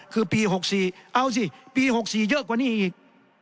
คือปีหกสี่เอาสิปีหกสี่เยอะกว่านี่อีก